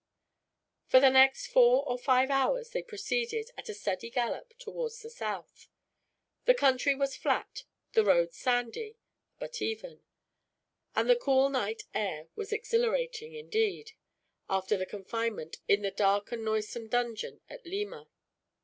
For the next four or five hours they proceeded, at a steady gallop, towards the south. The country was flat; the road sandy, but even; and the cool night air was exhilarating, indeed, after the confinement in the dark and noisome dungeon at Lima.